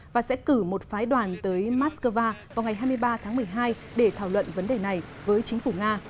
và sẽ cử một phái đoàn tới moscow vào ngày hai mươi ba tháng một mươi hai để thảo luận vấn đề này với chính phủ nga